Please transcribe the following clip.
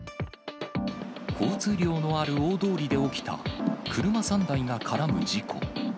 交通量のある大通りで起きた、車３台が絡む事故。